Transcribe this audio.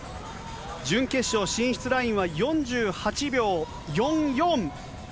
準決勝進出ラインは４８秒４４。